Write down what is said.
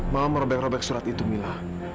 mama merebek rebek surat itu mila